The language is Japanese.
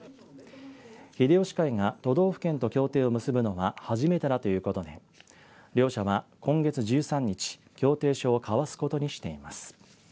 秀吉会が都道府県と協定を結ぶのは初めてだということで両社は今月１３日協定書を交わすことにしています。